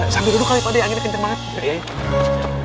sambil duduk pak dek anginnya keter banget